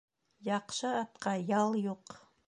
Яҡшы атҡа ял юҡ.